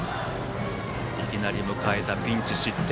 いきなり迎えたピンチで失点。